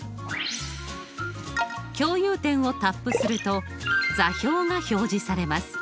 共有点をタップすると座標が表示されます。